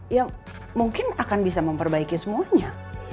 ya mungkin akan bisa memperbaiki semuanya